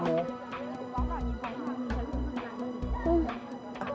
đây là tinh hay là mú